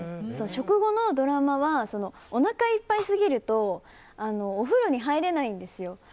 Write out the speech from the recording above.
食後のドラマはおなかいっぱいすぎるとお風呂に入れないんですよ。